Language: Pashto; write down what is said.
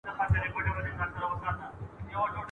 تعليم یافته مور ښه کورنی چاپېریال جوړوي.